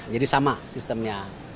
jadi sama sistemnya